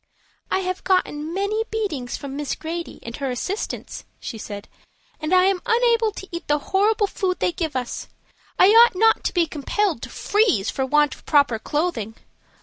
"I have gotten many beatings from Miss Grady and her assistants," she said, "and I am unable to eat the horrible food they give us. I ought not to be compelled to freeze for want of proper clothing.